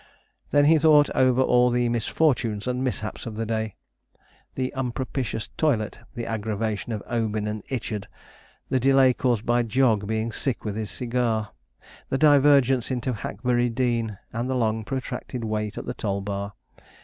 Then he thought over all the misfortunes and mishaps of the day. The unpropitious toilet; the aggravation of 'Obin and Ichard'; the delay caused by Jog being sick with his cigar; the divergence into Hackberry Dean; and the long protracted wait at the toll bar.